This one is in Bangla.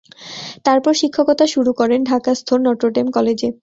তারপর শিক্ষকতা শুরু করেন ঢাকাস্থ নটর ডেম কলেজে।